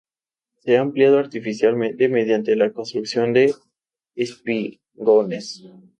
Se ha ampliado artificialmente mediante la construcción de espigones.